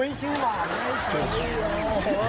อุ้ยชื่อหวานไงชิลลี่